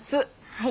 はい。